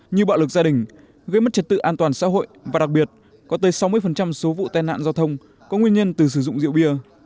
như bạo lực gia đình gây mất trật tự an toàn xã hội và đặc biệt có tới sáu mươi số vụ tai nạn giao thông có nguyên nhân từ sử dụng rượu bia